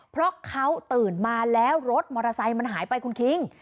เพราะเขาตื่นมาแล้วรถมอเตอร์ไซค์มันหายไปคุณคิง